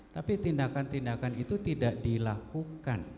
tapi tindakan tindakan itu tidak dilakukan